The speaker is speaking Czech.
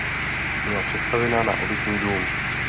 Byla přestavěna na obytný dům.